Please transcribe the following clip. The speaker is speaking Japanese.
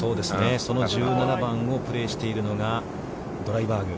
その１７番をプレーしているのが、ドライバーグ。